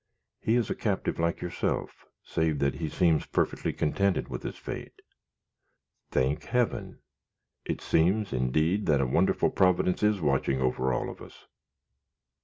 He is a captive like yourself, save that he seems perfectly contented with his fate." "Thank heaven! it seems indeed that a wonderful Providence is watching over all of us."